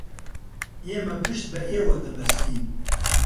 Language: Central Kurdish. ئێمە پشت بە ئێوە دەبەستین.